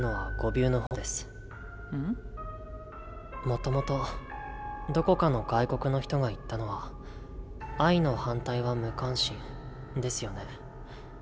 もともとどこかの外国の人が言ったのは「愛」の反対は「無関心」ですよね。